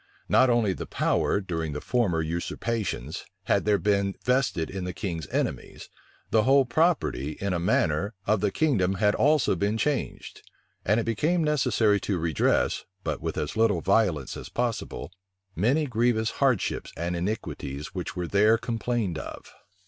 Not only the power, during the former usurpations, had there been vested in the king's enemies; the whole property, in a manner, of the kingdom had also been changed: and it became necessary to redress, but with as little violence as possible, many grievous hardships and iniquities which were there complained of.